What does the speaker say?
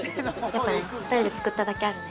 やっぱね２人で作っただけあるね